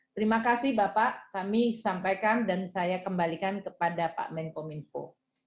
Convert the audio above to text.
terima kasih bapak kami sampaikan dan saya kembalikan kepada pak menkominfo